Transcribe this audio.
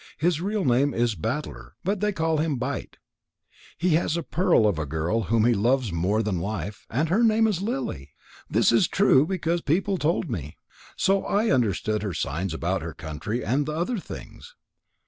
His real name is Battler, but they call him Bite. He has a pearl of a girl whom he loves more than his life, and her name is Lily. This is true, because people told me. So I understood her signs about her country and the other things."